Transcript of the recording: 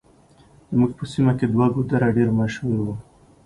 زموږ په سيمه کې دوه ګودره ډېر مشهور وو.